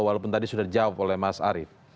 walaupun tadi sudah dijawab oleh mas arief